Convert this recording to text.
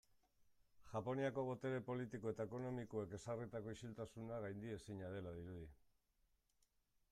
Japoniako botere politiko eta ekonomikoek ezarritako isiltasuna gaindiezina dela dirudi.